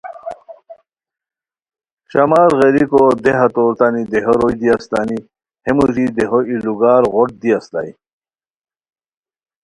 شامار غیریکو دیہا تورتانی دیہو روئے دی استانی ہے موژی دیہو ای لوگار غوٹ دی استائے